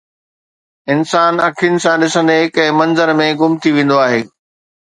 انسان اکين سان ڏسندي ڪنهن منظر ۾ گم ٿي ويندو آهي.